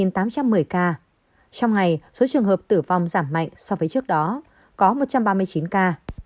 trong ngày số trường hợp tử vong giảm mạnh so với trước đó có một trăm ba mươi chín ca